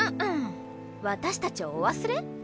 私たちをお忘れ？